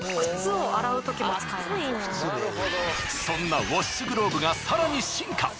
そんなウォッシュグローブが更に進化。